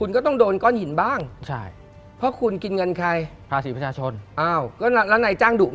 กล้าไหมล่ะ